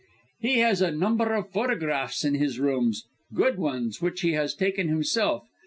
He has a number of photographs in his rooms, good ones, which he has taken himself.